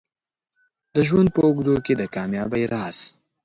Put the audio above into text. د ژوند په اوږدو کې د کامیابۍ راز